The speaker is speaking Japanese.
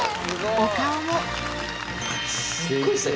お顔もすごいっすね